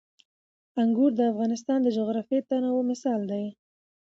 انګور د افغانستان د جغرافیوي تنوع مثال دی.